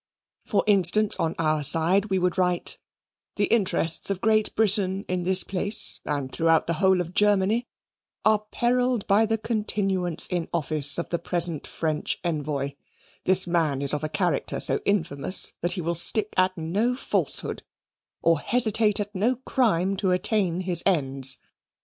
For instance, on our side we would write, "The interests of Great Britain in this place, and throughout the whole of Germany, are perilled by the continuance in office of the present French envoy; this man is of a character so infamous that he will stick at no falsehood, or hesitate at no crime, to attain his ends.